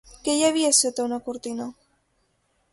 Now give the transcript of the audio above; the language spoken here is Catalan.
Què hi havia sota una cortina?